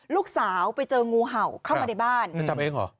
ลูกสาวไปเจองูเห่าเข้ามาในบ้านเธอจำเองเหรอ